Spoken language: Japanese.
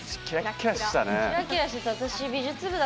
キラキラしてたな。